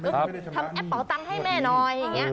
ทำแอปเป๋าตังให้แม่น้อย